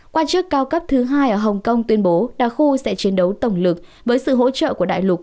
quan chức cao cấp thứ hai ở hồng kông tuyên bố đa khu sẽ chiến đấu tổng lực với sự hỗ trợ của đại lục